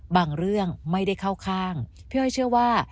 บางเรื่องไม่ได้เข้าข้างพี่อ้อยเชื่อว่า